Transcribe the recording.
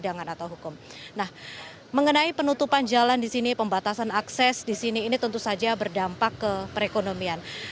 nah mengenai penutupan jalan disini pembatasan akses disini ini tentu saja berdampak ke perekonomian